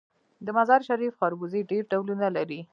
د مزار شریف خربوزې ډیر ډولونه لري.